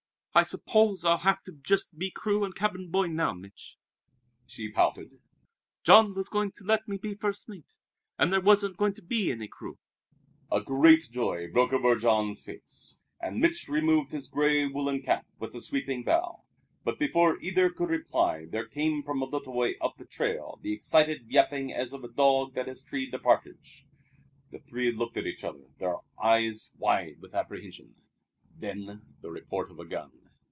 "I suppose I'll have to be just crew and cabin boy now, Mich'," she pouted. "Jean was going to let me be first mate, and there wasn't to be any crew." A great joy broke over Jean's face, and Mich' removed his gray woolen cap with a sweeping bow. But before either could reply there came from a little way up the trail the excited yapping as of a dog that has treed a partridge. The three looked at each other, their eyes wide with apprehension. Then the report of a gun.